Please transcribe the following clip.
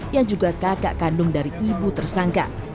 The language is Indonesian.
yang juga kakak kandung dari ibu tersangka